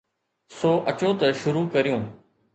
سو اچو ته شروع ڪريون